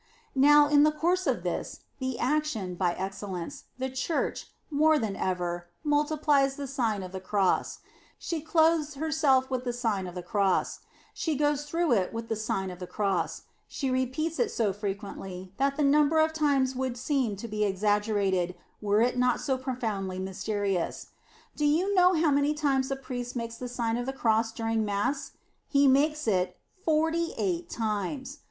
Now, in the course of this, the action, by excellence, the Church, more than ever, mul tiplies the Sign of the Cross; she clothes herself with the Sign of the Cross; she goes through it with the Sign of the Cross ; she repeats it so frequently, that the number of times would seem to be exaggerated, were it not so profoundly mysterious. Do you know how many times the priest makes the Sign of the Cross during Mass? He makes it forty eight times!